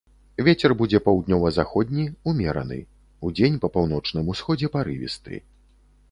Вецер будзе паўднёва-заходні, умераны, удзень па паўночным усходзе парывісты.